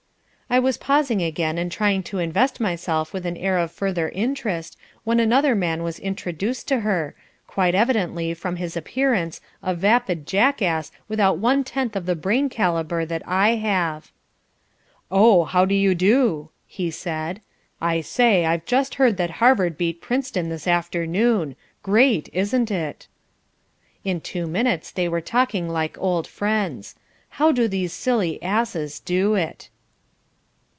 I was pausing again and trying to invest myself with an air of further interest, when another man was introduced to her, quite evidently, from his appearance, a vapid jackass without one tenth of the brain calibre that I have. "Oh, how do you do?" he said. "I say, I've just heard that Harvard beat Princeton this afternoon. Great, isn't it?" In two minutes they were talking like old friends. How do these silly asses do it?